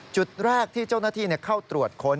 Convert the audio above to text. จุดแรกที่เจ้าหน้าที่เข้าตรวจค้น